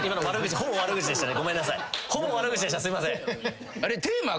ほぼ悪口でしたすいません。